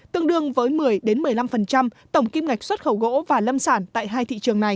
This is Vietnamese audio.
tương đương với một mươi một mươi năm tổng kim ngạch xuất khẩu gỗ và lâm sản tại hai thị trường này